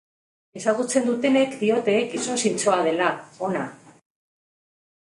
Ezagutzen dutenek diote gizon zintzoa dela, ona.